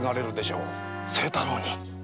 清太郎に！